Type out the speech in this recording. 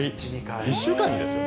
１週間にですよ。